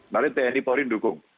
mari tni polri mendukung